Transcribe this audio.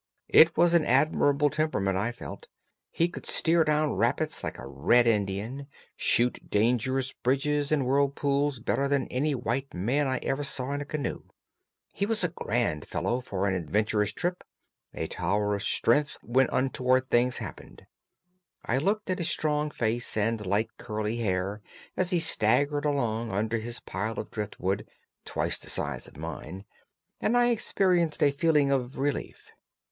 It was an admirable temperament, I felt; he could steer down rapids like a red Indian, shoot dangerous bridges and whirlpools better than any white man I ever saw in a canoe. He was a grand fellow for an adventurous trip, a tower of strength when untoward things happened. I looked at his strong face and light curly hair as he staggered along under his pile of driftwood (twice the size of mine!), and I experienced a feeling of relief.